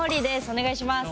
お願いします。